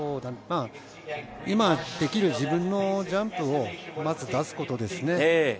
今、自分ができるジャンプを出すことですね。